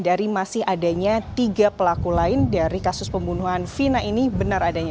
dari masih adanya tiga pelaku lain dari kasus pembunuhan vina ini benar adanya